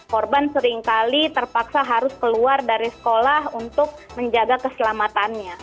korban seringkali terpaksa harus keluar dari sekolah untuk menjaga keselamatannya